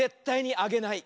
あげない⁉